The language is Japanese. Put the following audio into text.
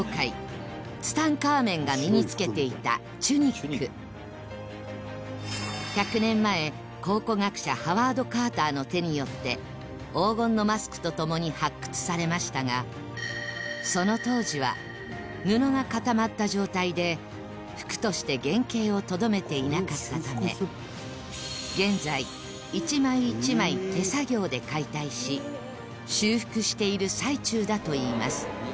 こちらが１００年前考古学者ハワード・カーターの手によって黄金のマスクと共に発掘されましたがその当時は布が固まった状態で服として原形をとどめていなかったため現在一枚一枚手作業で解体し修復している最中だといいます